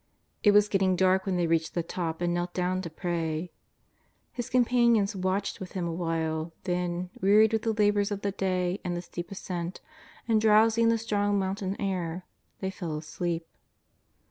It was getting dark when they reached the top and knelt down to pray. His companions watched with Him awhile, then, wearied with the labours of the day and the steep ascent, and drowsy in the strong mountain air, they fell asleep.